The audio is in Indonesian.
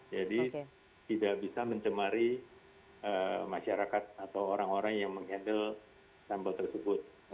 jadi tidak bisa mencemari masyarakat atau orang orang yang mengandalkan sampel tersebut